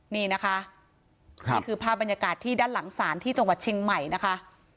นี่นะคะนี่คือภาพบรรยากาศที่ด้านหลังศาลที่จังหวัดเชียงใหม่นะคะ